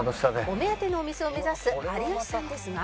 お目当てのお店を目指す有吉さんですが